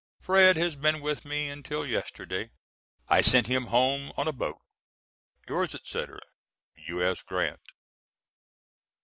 Fred. has been with me until yesterday; I sent him home on a boat. Yours &c. U.S. GRANT.